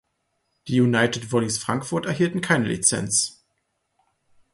Die United Volleys Frankfurt erhielten keine Lizenz.